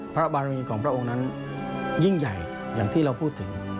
พระบารมีของพระองค์นั้นยิ่งใหญ่อย่างที่เราพูดถึง